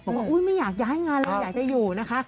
บอกว่าอุ๊ยไม่อยากย้ายงานเลยอยากจะอยู่นะคะ